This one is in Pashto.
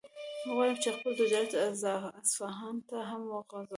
غواړم چې خپل تجارت اصفهان ته هم وغځوم.